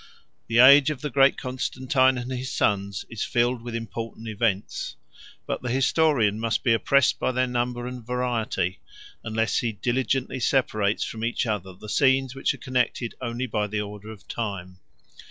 The age of the great Constantine and his sons is filled with important events; but the historian must be oppressed by their number and variety, unless he diligently separates from each other the scenes which are connected only by the order of time.